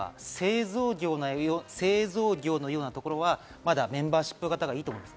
製造業のようなところは、まだ、メンバーシップ型がいいと思います。